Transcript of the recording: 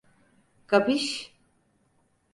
Kapiş?